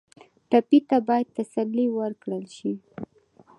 ټپي ته باید تسلي ورکړل شي.